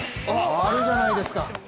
あるじゃないですか。